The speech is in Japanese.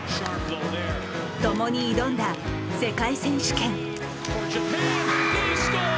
ともに挑んだ世界選手権。